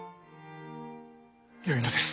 よいのです。